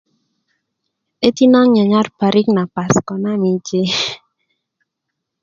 'döti naŋ un nyanyay parik na a pasiko na miji